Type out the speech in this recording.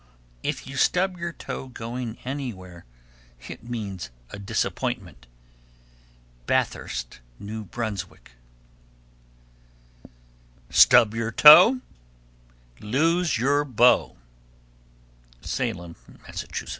_ 1329. If you stub your toe going anywhere, it means a disappointment. Bathurst, N.B. 1330. Stub your toe, Lose your beau. Salem, Mass. 1331.